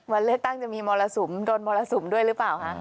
วันเลือกตั้งจะมีมรสุมโดนมรสุมด้วยหรือเปล่าคะ